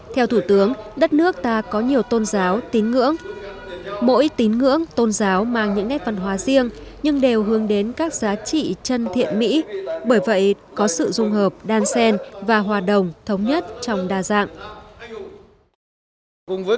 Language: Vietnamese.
theo thủ tướng đất nước ta có nhiều tôn giáo tín ngưỡng mỗi tín ngưỡng tôn giáo mang những nét văn hóa riêng nhưng đều hướng đến các giá trị chân thiện mỹ bởi vậy có sự dung hợp đan sen và hòa đồng thống nhất trong đa dạng